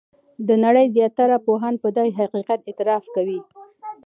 د نړۍ زیاتره پوهان په دغه حقیقت اعتراف کوي.